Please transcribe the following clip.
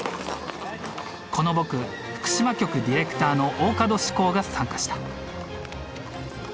この僕福島局ディレクターの大門志光が参加した。